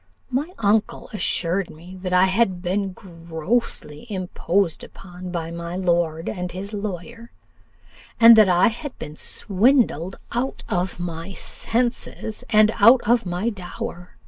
My uncle assured me that I had been grossly imposed upon by my lord and his lawyer; and that I had been swindled out of my senses, and out of my dower.